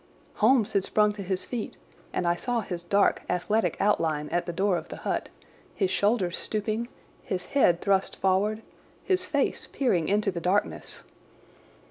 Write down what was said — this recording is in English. Holmes had sprung to his feet, and I saw his dark, athletic outline at the door of the hut, his shoulders stooping, his head thrust forward, his face peering into the darkness.